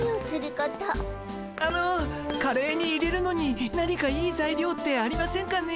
あのカレーに入れるのに何かいいざいりょうってありませんかね？